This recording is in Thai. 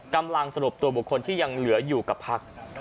กำลังสรุปตัวบุคคลที่ยังเหลืออยู่กับภักดิ์